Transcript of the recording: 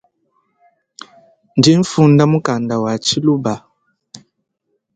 Ndinfunda mukanda wa tshiluba.